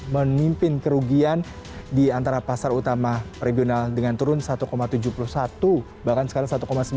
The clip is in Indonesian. memimpin kerugian di antara pasar utama regional dengan turun satu tujuh puluh satu bahkan sekarang satu sembilan